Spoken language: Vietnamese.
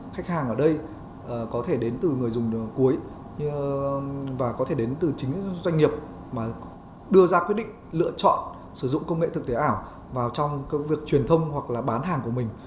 khách hàng ở đây có thể đến từ người dùng cuối và có thể đến từ chính doanh nghiệp mà đưa ra quyết định lựa chọn sử dụng công nghệ thực tế ảo vào trong việc truyền thông hoặc là bán hàng của mình